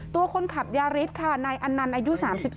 ตัวคนขับยาฤทธิ์ค่ะนายอนัณอายุ๓๓